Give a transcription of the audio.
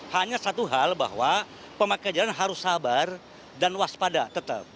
hanya satu hal bahwa pemakai jalan harus sabar dan waspada tetap